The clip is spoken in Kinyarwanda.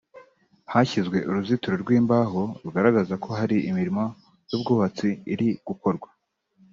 hashyizwe uruzitiro rw’imbaho rugaragaza ko hari imirimo y’ubwubatsi iri gukorwa